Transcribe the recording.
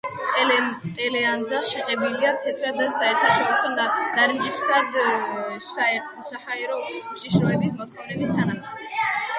ტელეანძა შეღებილია თეთრად და საერთაშორისო ნარინჯისფრად საჰაერო უშიშროების მოთხოვნების თანახმად.